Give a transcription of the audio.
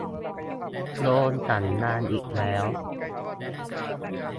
โดนสั่งงานอีกแล้ว